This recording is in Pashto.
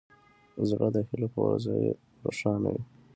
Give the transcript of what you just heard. زړه د هیلو په ورځې روښانه وي.